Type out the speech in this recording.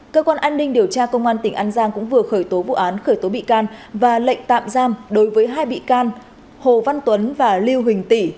cơ quan an ninh điều tra công an tỉnh an giang cũng vừa khởi tố vụ án khởi tố bị can và lệnh tạm giam đối với hai bị can hồ văn tuấn và lưu huỳnh tỷ